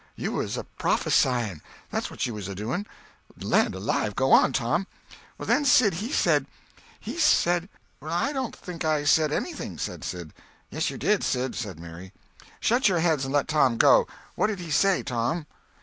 You was a prophesying—that's what you was doing! Land alive, go on, Tom!" "Then Sid he said—he said—" "I don't think I said anything," said Sid. "Yes you did, Sid," said Mary. "Shut your heads and let Tom go on! What did he say, Tom?"